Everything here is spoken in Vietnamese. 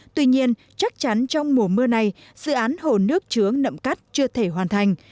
tuy nhiên chắc chắn trong mùa mưa này dự án hồ nước chướng nặm cắt chưa thể hoàn thành